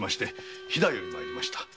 飛騨から参りました。